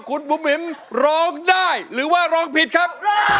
คุณบุ๋มหิมร้องได้หรือว่าร้องผิดครับ